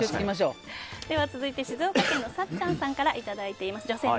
続いて、静岡県の女性の方からいただいています。